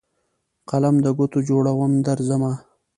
قلم دګوټو جوړوم درځمه